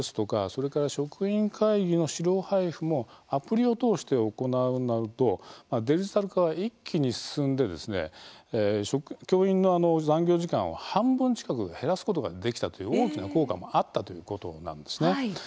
それから職員会議の資料配布もアプリを通して行うなどデジタル化が一気に進んで教員の残業時間を半分近く減らすことができたという大きな効果もあったということなんです。